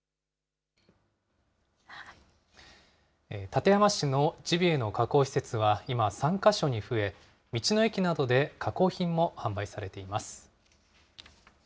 館山市のジビエの加工施設は今、３か所に増え、道の駅などで加工品も販売されています。